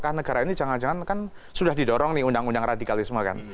karena negara ini jangan jangan kan sudah didorong nih undang undang radikalisme kan